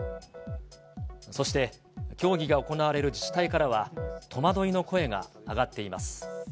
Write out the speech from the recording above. そして、競技が行われる自治体からは、戸惑いの声が上がっています。